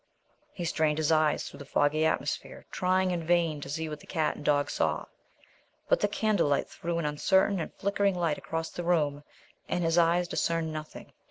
He strained his eyes through the foggy atmosphere, trying in vain to see what the cat and dog saw; but the candlelight threw an uncertain and flickering light across the room and his eyes discerned nothing.